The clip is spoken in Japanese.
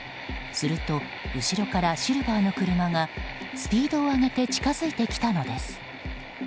すると、後ろからシルバーの車がスピードを上げて近づいてきたのです。